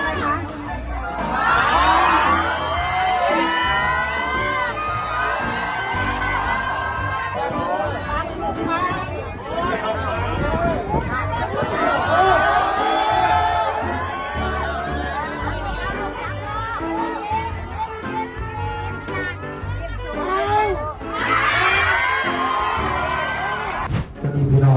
สวัสดีครับ